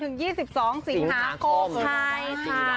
๑๓ถึง๒๒สิงหาคม